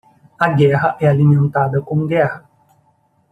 A guerra é alimentada com guerra.